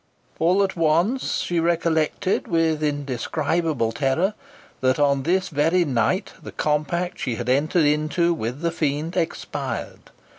All at once she recollected with indescribable terror, that on this very night the compact she had entered into with the Fiend expired.